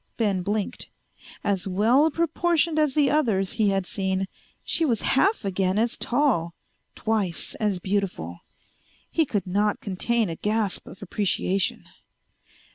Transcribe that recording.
Ben blinked. As well proportioned as the others he had seen, she was half again as tall, twice as beautiful. He could not contain a gasp of appreciation.